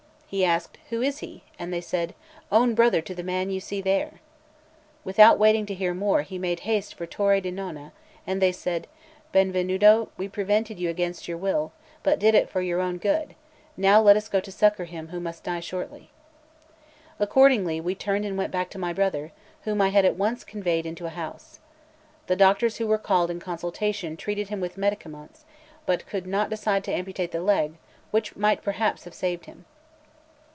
He asked: "Who is he?" and they answered: "Own brother to the man you see there." Without waiting to hear more, he made haste for Torre di Nona; and they said: "Benvenuto, we prevented you against your will, but did it for your good; now let us go to succour him who must die shortly." Accordingly, we turned and went back to my brother, whom I had at once conveyed into a house. The doctors who were called in consultation, treated him with medicaments, but could not decide to amputate the leg, which might perhaps have saved him.